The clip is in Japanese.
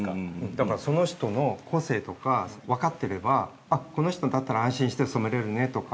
◆だから、その人の個性とか分かっていれば、この人だったら安心して染めれるねとか。